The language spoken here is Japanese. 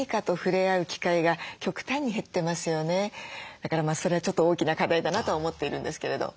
だからそれはちょっと大きな課題だなと思っているんですけれど。